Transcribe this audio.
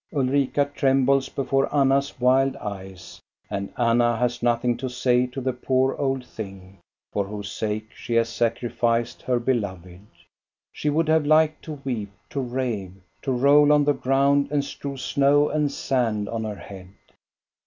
Ulrika trembles before Anna's wild eyes, and Anna has nothing to say to the poor old thing, for whose sake she has sacrificed her beloved. She would have liked to weep, to rave, to roll on the ground and strew snow and sand on her head.